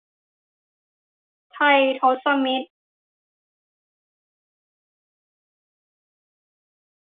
ไททศมิตร